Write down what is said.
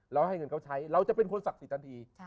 เราให้เงินเขาใช้เราจะเป็นคนศักดิ์ทันที